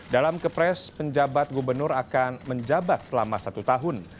dalam kepres penjabat gubernur akan menjabat selama satu tahun